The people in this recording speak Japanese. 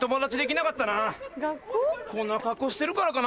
こんな格好してるからかな？